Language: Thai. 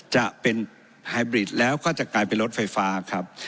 จะเป็นไฮบริดแล้วก็จะกลายเป็นรถไฟฟ้าครับ